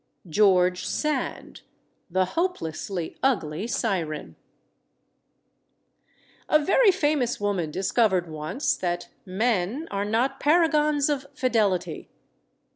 GEORGE SAND THE HOPELESSLY UGLY SIREN A VERY famous woman discovered once that men are not paragons of fidelity.